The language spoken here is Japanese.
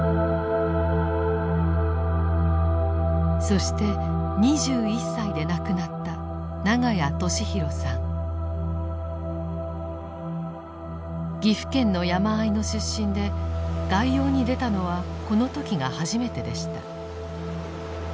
そして２１歳で亡くなった岐阜県の山あいの出身で外洋に出たのはこの時が初めてでした。